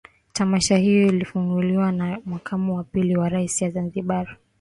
Tamasha hilo lilifunguliwa na Makamu wa Pili wa Rais wa Zanzibari